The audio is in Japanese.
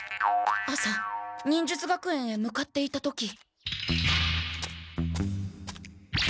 朝忍術学園へ向かっていた時。